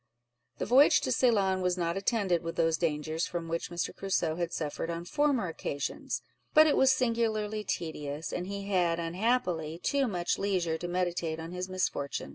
The voyage to Ceylon was not attended with those dangers from which Mr. Crusoe had suffered on former occasions; but it was singularly tedious, and he had, unhappily, too much leisure to meditate on his misfortune.